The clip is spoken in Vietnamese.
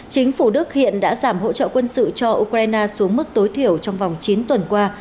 chính phủ đức hiện đã giảm hỗ trợ quân sự cho ukraine xuống mức tối thiểu trong vòng chín tuần qua